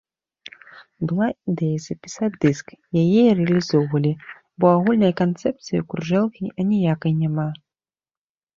Была ідэя запісаць дыск, яе і рэалізоўвалі, бо агульнай канцэпцыі ў кружэлкі аніякай няма.